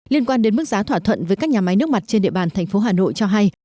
liên quan đến mức giá thỏa thuận với các nhà máy nước mặt trên địa bàn thành phố hà nội cho hay